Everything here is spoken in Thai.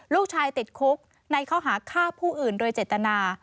ติดคุกในข้อหาฆ่าผู้อื่นโดยเจตนา